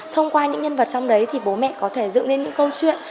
thông qua những nhân vật trong đấy thì bố mẹ có thể dựng lên những câu chuyện